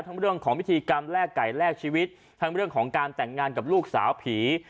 เรื่องของพิธีกรรมแลกไก่แลกชีวิตทั้งเรื่องของการแต่งงานกับลูกสาวผี